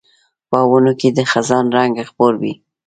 په ونو کې د خزان رنګ خپور وي